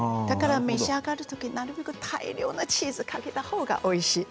召し上がるときなるべく大量のチーズをかけたほうがおいしい。